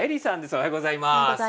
おはようございます。